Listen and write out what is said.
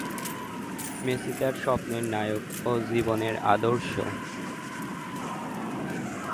Messi তার স্বপ্নের নায়ক ও জীবনের আদর্শ।